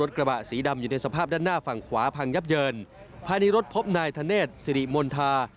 ทางขวาพังยับเยินภายในรถพบนายทะเนศสิริมนทา